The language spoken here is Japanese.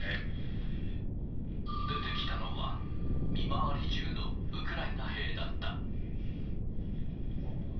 出てきたのは、見回り中のウクライナ兵だった。